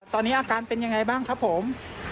ตอนนี้อาการเป็นยังไงบ้างครับผม